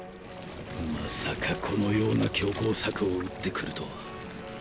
まさかこのような強行策を打ってくるとは。